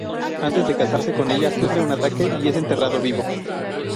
Antes de casarse con ella, sufre un ataque y es enterrado vivo.